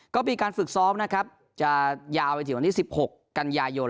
ก็มีการฝึกซ้อมนะครับจะยาวไปถึงวันที่๑๖กันยายน